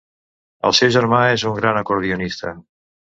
El seu germà és un gran acordionista.